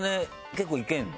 結構いけるの？